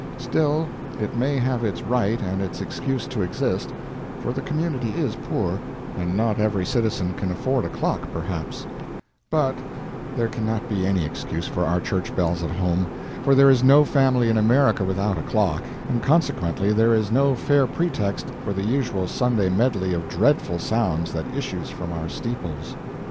Still, it may have its right and its excuse to exist, for the community is poor and not every citizen can afford a clock, perhaps; but there cannot be any excuse for our church bells at home, for there is no family in America without a clock, and consequently there is no fair pretext for the usual Sunday medley of dreadful sounds that issues from our steeples.